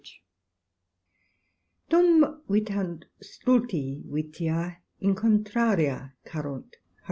Dum viiant stulti vitia^ in contraria currunt, HoR.